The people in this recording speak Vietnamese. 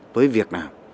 với việt nam